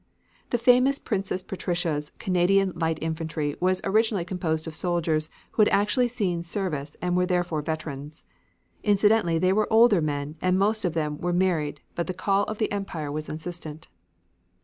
The famous Princess Patricia's Canadian Light Infantry was originally composed of soldiers who had actually seen service and were therefore veterans. Incidentally they were older men and most of them were married but the call of the Empire was insistent.